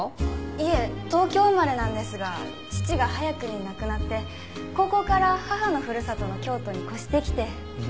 いえ東京生まれなんですが父が早くに亡くなって高校から母のふるさとの京都に越してきて。